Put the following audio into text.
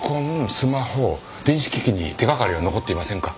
スマホ電子機器に手掛かりは残っていませんか？